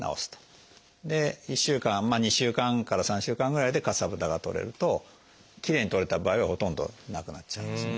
で１週間２週間から３週間ぐらいでかさぶたが取れるときれいに取れた場合はほとんどなくなっちゃうんですね。